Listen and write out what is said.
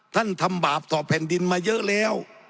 ท่านทำบาปต่อแผ่นดินมาเยอะแล้ว